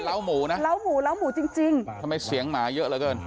ล้าวหมูนะล้าวหมูล้าวหมูจริงจริงทำไมเสียงหมาเยอะแล้วเกิน